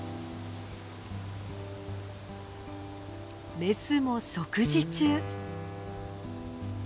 メスも食事中。